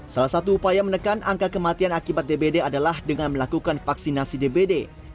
salah satu upaya menekan angka kematian akibat dbd adalah dengan melakukan vaksinasi dbd